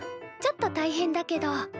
ちょっと大変だけど。